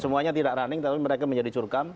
semuanya tidak running tapi mereka menjadi curkam